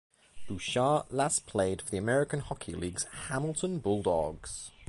Bouchard last played for the American Hockey League's Hamilton Bulldogs.